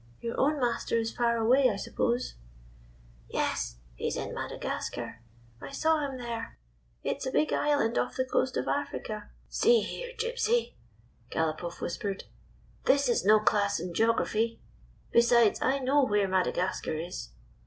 Your own master is far away, I suppose." "Yes, lie's in Madagascar; I saw him there. It is a big island off the coast of Africa —" 193 GYPSY, THE TALKING DOG "See here, Gypsy," Galopoff whispered, "this is no class in geography. Besides, I know where Madagascar is.